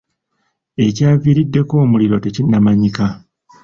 Ekyaviiriddeko omuliro tekinnamanyika.